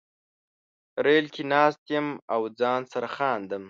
ریل کې ناست یم او ځان سره خاندم